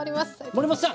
守本さん！